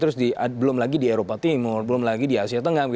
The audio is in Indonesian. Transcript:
terus belum lagi di eropa timur belum lagi di asia tengah